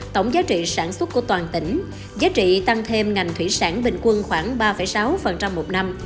tổng giá trị sản xuất của toàn tỉnh giá trị tăng thêm ngành thủy sản bình quân khoảng ba sáu một năm